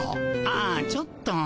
ああちょっと。